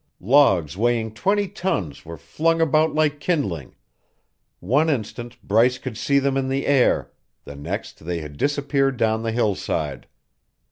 Logs weighing twenty tons were flung about like kindling; one instant, Bryce could see them in the air; the next they had disappeared down the hillside.